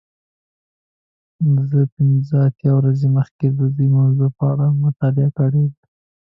زه پنځه اتیا ورځې مخکې د دې موضوع په اړه مطالعه کړې ده.